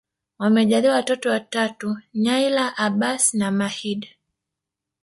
Wamejaliwa watoto watatu Nyla Abbas na Mahdi